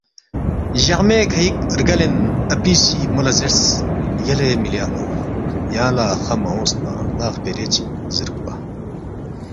جقمے کھئِک رگلین اپی سی مو لہ زیرس، یلے مِلی ان٘و یانگ لہ خا مہ اونگس نہ ن٘ا خپیرے چِک زیرُوکپا؟